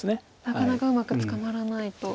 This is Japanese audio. なかなかうまく捕まらないと。